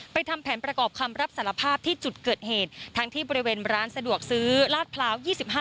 ทำแผนประกอบคำรับสารภาพที่จุดเกิดเหตุทั้งที่บริเวณร้านสะดวกซื้อลาดพร้าว๒๕